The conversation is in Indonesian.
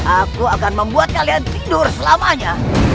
aku akan membuat kalian tidur selamanya